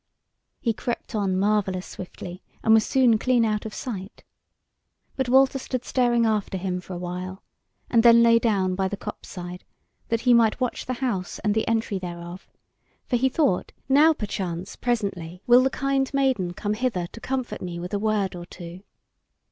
He crept on marvellous swiftly, and was soon clean out of sight. But Walter stood staring after him for a while, and then lay down by the copse side, that he might watch the house and the entry thereof; for he thought, now perchance presently will the kind maiden come hither to comfort me with a word or two.